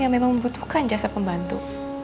yang memang membutuhkan jasa pembantu